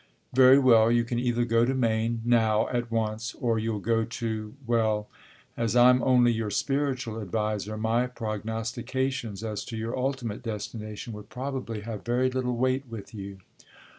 "Very well, you can either go to Maine, now, at once, or you'll go to well, as I'm only your spiritual adviser, my prognostications as to your ultimate destination would probably have very little weight with you."